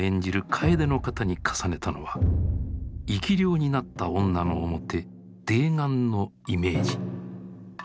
楓の方に重ねたのは生き霊になった女の面「泥眼」のイメージ。